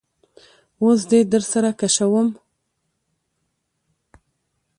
وس دي سره کشوم